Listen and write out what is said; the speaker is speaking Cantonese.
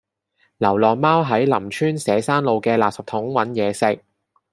流浪貓喺林村社山路嘅垃圾桶搵野食